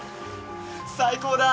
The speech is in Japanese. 最高だ！